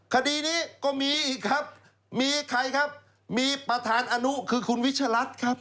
คดีนี้ก็มีอีกครับมีใครครับมีประธานอนุคือคุณวิชรัฐครับ